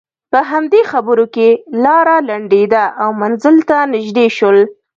په همدې خبرو کې لاره لنډېده او منزل ته نژدې شول.